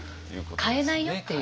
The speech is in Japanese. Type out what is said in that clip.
変えないよっていう。